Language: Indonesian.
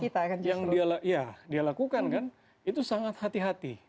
iya yang dia lakukan kan itu sangat hati hati